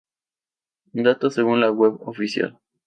Datos según la web oficial.